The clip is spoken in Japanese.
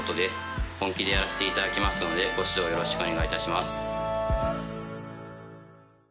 本気でやらしていただきますのでご指導よろしくお願いいたします。